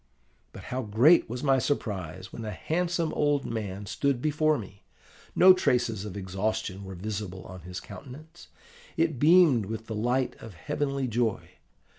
But how great was my surprise when a handsome old man stood before me! No traces of exhaustion were visible on his countenance: it beamed with the light of a heavenly joy.